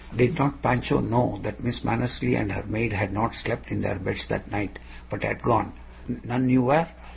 Did not Don Pancho know that Miss Mannersley and her maid had not slept in their beds that night, but had gone, none knew where?